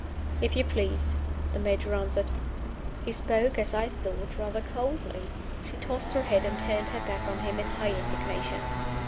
"If you please," the Major answered. He spoke (as I thought) rather coldly. She tossed her head, and turned her back on him in high indignation.